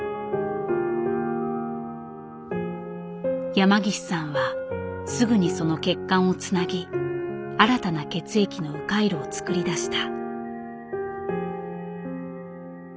山岸さんはすぐにその血管をつなぎ新たな血液のう回路を作り出した。